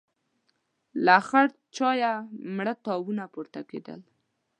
له خړ چايه مړه تاوونه پورته کېدل.